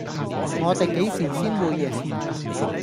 我地幾時先會贏